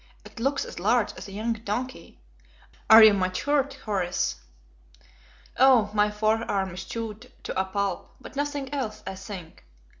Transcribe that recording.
It looks as large as a young donkey. Are you much hurt, Horace?" "Oh, my forearm is chewed to a pulp, but nothing else, I think.